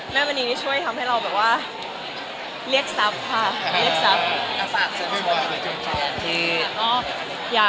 แม่มณีช่วยทำให้เราเรียกทรัพย์ค่ะ